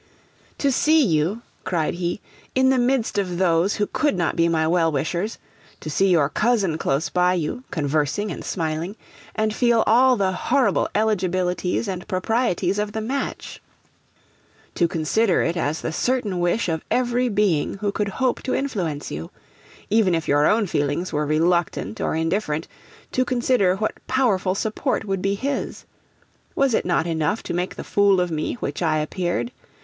'To see you,' cried he, 'in the midst of those who could not be my well wishers; to see your cousin close by you, conversing and smiling, and feel all the horrible eligibilities and proprieties of the match! To consider it as the certain wish of every being who could hope to influence you! Even if your own feelings were reluctant or indifferent, to consider what powerful support would be his! Was it not enough to make the fool of me which I appeared?